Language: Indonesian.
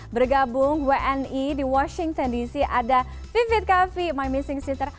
bergabung wni di washington dc ada vivit kaffi my missing sister